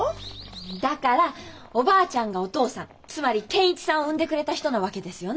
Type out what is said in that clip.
だからおばあちゃんがお父さんつまり健一さんを産んでくれた人なわけですよね。